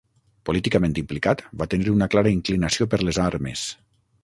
Políticament implicat, va tenir una clara inclinació per les armes.